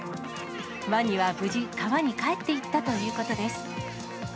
ワニは無事、川に帰っていったということです。